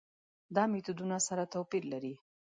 دا میتودونه سره توپیر لري.